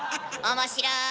面白い。